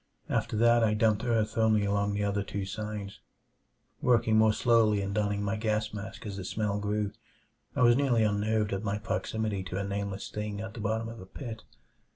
After that I dumped earth only along the other two sides; working more slowly and donning my gas mask as the smell grew. I was nearly unnerved at my proximity to a nameless thing at the bottom of a pit.